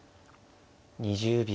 ２０秒。